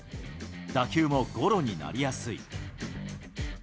打球もゴロになりやすい。